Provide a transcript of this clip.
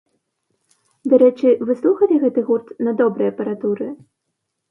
Дарэчы, вы слухалі гэты гурт на добрай апаратуры?